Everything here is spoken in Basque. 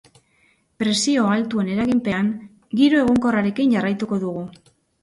Presio altuen eraginpean, giro egonkorrarekin jarraituko dugu.